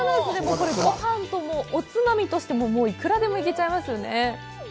これ、ごはんとも、おつまみとしても幾らでも行けちゃいますよね。